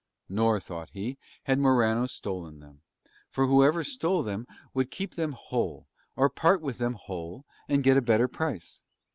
Nor, thought he, had Morano stolen them, for whoever stole them would keep them whole, or part with them whole and get a better price.